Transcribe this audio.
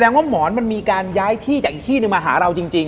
ว่าหมอนมันมีการย้ายที่จากอีกที่หนึ่งมาหาเราจริง